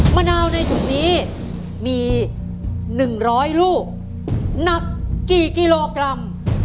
มะนาวในถุงนี้มี๑๐๐ลูกหนักกี่กิโลกรัม